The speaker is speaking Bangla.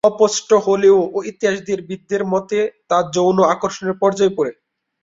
অস্পষ্ট হলেও ইতিহাসবিদদের মতে তা যৌন আকর্ষণের পর্যায় পড়ে।